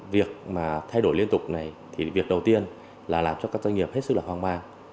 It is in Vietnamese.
việc mà thay đổi liên tục này thì việc đầu tiên là làm cho các doanh nghiệp hết sức là hoang mang